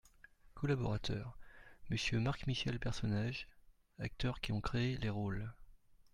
COLLABORATEUR : Monsieur MARC-MICHEL PERSONNAGES Acteurs qui ont créé les rôles.